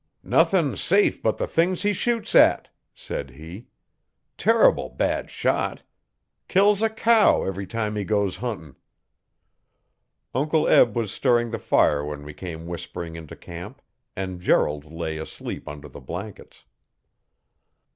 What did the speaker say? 'Nothin' safe but the thing he shoots at,' said he. 'Terrible bad shot. Kills a cow every time he goes huntin'.' Uncle Eb was stirring the fire when we came whispering into camp, and Gerald lay asleep under the blankets.